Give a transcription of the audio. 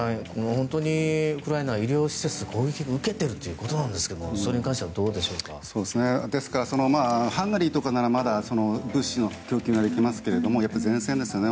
本当にウクライナは医療施設が攻撃を受けているということですがハンガリーとかなら、まだ物資の供給ができますけど前線ですよね。